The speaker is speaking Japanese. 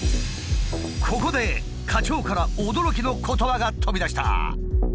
ここで課長から驚きの言葉が飛び出した。